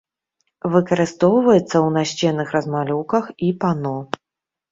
Выкарыстоўваецца ў насценных размалёўках і пано.